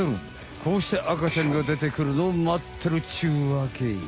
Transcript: こうして赤ちゃんが出てくるのを待ってるっちゅうわけよ。